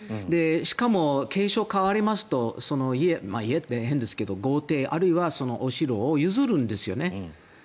しかも、継承が変わりますと家家って変ですが豪邸あるいはお城を譲るんですよね。